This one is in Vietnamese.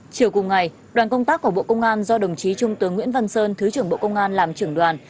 chiều cùng ngày đoàn công tác của bộ công an do đồng chí trung tướng nguyễn văn sơn thứ trưởng bộ công an làm trưởng đoàn